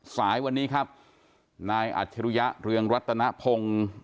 สายวันนี้ครับนายอัจฉริยะเรืองรัตนพงศ์